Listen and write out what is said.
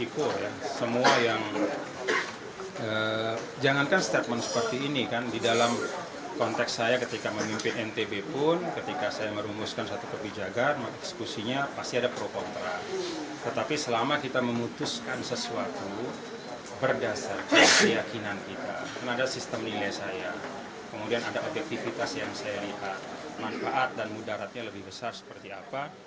kemudian ada sistem nilai saya kemudian ada objektifitas yang saya lihat manfaat dan mudaratnya lebih besar seperti apa